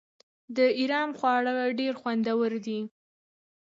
د ایران خواړه ډیر خوندور دي.